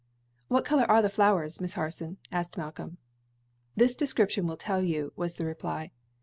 "What color are the flowers, Miss Harson?" asked Malcolm. "This description will tell you," was the reply.